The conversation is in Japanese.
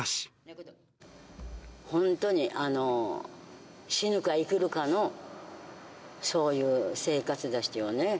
本当に、死ぬか生きるかの、そういう生活でしたよね。